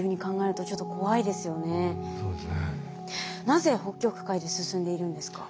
なぜ北極海で進んでいるんですか？